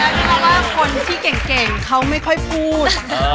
บอกแล้วนะครับว่าคนที่เก่งเขาไม่ค่อยพูด